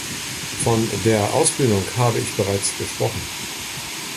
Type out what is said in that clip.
Von der Ausbildung habe ich bereits gesprochen.